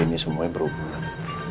ini semuanya berhubungan